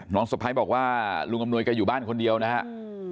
สะพ้ายบอกว่าลุงอำนวยแกอยู่บ้านคนเดียวนะครับ